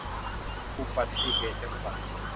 อุบัติเหตุจะอุบัติ